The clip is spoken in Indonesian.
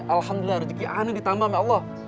alhamdulillah rezeki aneh ditambah sama allah